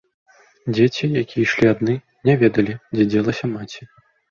Дзеці, якія ішлі адны, не ведалі, дзе дзелася маці.